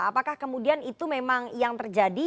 apakah kemudian itu memang yang terjadi